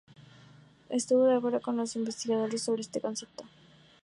Estuvo de acuerdo con los investigadores sobre este concepto.